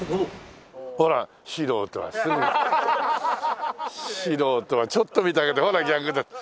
ほら素人はすぐ素人はちょっと見ただけでほら逆だって。